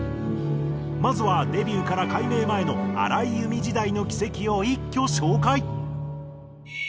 まずはデビューから改名前の荒井由実時代の軌跡を一挙紹介。